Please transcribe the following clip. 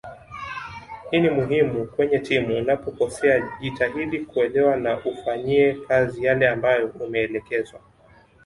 Hii ni muhimu kwenye timu unapokosea jitahidi kuelewa na uyafanyie kazi yale ambayo umeelekezwa